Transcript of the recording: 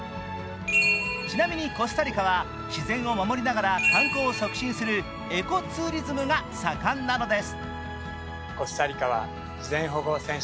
ちなみにコスタリカは自然を守りながら観光を促進する、エコツーリズムが盛んなのです。